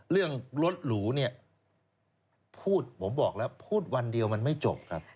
เรื่องรถหรูเนี่ยพูดผมบอกแล้วพูดวันเดียวมันไม่จบครับ